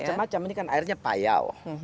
macam macam ini kan airnya payau